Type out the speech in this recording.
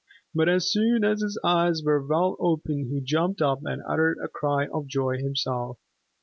But as soon as his eyes were well open he jumped up and uttered a cry of joy himself.